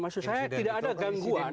maksud saya tidak ada gangguan